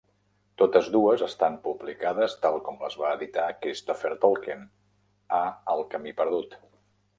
Totes dues estan publicades, tal com les va editar Christopher Tolkien, a "El camí perdut".